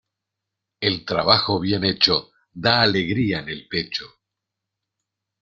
El trabajo bien hecho da alegría en el pecho.